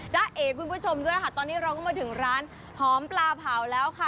เอ๋คุณผู้ชมด้วยค่ะตอนนี้เราก็มาถึงร้านหอมปลาเผาแล้วค่ะ